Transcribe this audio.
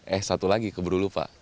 eh satu lagi keberulupa